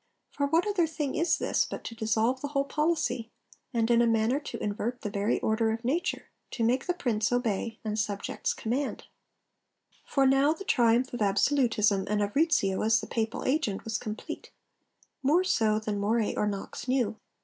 for what other thing is this but to dissolve the whole policy, and in a manner to invert the very order of nature, to make the Prince obey and subjects command?' For now the triumph of absolutism and of Rizzio, as the Papal agent, was complete more so than Moray or Knox knew.